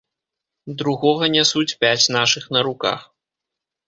Другога нясуць пяць нашых на руках.